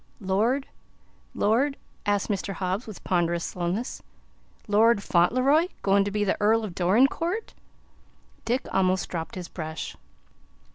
"Lord Lord " asked Mr. Hobbs, with ponderous slowness, "Lord Fauntleroy Goin' to be Earl of Dorincourt?" Dick almost dropped his brush.